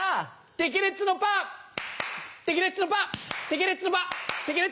テケレッツのパーテケレッツのパー。